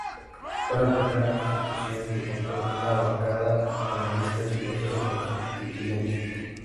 Fue la primera constitución que contó con una bancada comunista en su proceso constituyente.